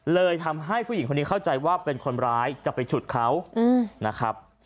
เลยทำให้ผู้หญิงคนนี้เข้าใจว่าเป็นคนร้ายจะไปฉุดเขานะครับ